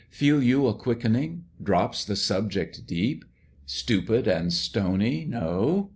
Feel you a quickening? drops the subject deep? Stupid and stony, no!